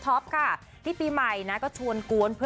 โอเคโอเค